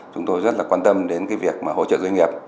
chúng tôi rất quan tâm đến việc hỗ trợ doanh nghiệp